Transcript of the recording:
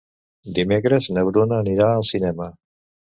Dimecres na Bruna anirà al cinema.